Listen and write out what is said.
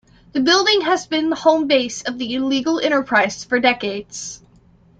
The building has been the home base of the illegal enterprise for decades.